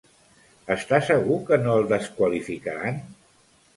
Està segur que no el desqualificaran?